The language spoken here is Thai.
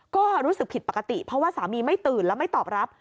ก็รู้สึกผิดปกติเพราะว่าสามีไม่ตื่นแล้วไม่ตอบรับ